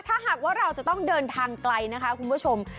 ถ้าหากว่าเราจะต้องเดินทางไกลนะคะคุณผู้ชม